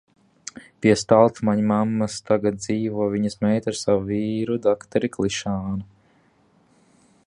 Pie Staltmaņmammas tagad dzīvo viņas meita ar savu vīru dakteri Klišānu.